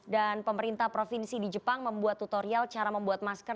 dan pemerintah provinsi di jepang membuat tutorial cara membuat masker